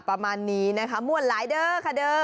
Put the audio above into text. ประมาณนี้นะคะม่วนหลายเด้อค่ะเด้อ